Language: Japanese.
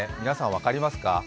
皆さん分かりますか？